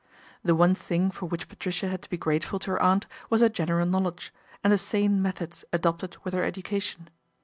The one thing for which Patricia had to be grate ful to her aunt was her general knowledge, and the sane methods adopted with her education.